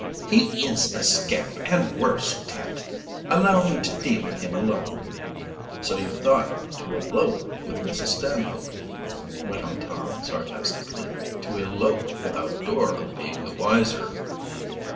"He is a scamp, and worse, Pet. Allow me to deal with him alone." "So you thought to elope with Mrs. Stanhope," went on Tom sarcastically. "To elope without Dora being the wiser."